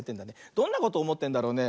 どんなことおもってんだろうね。